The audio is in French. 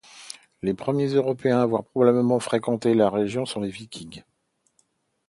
Les premiers Européens à avoir probablement fréquenté la région sont les vikings.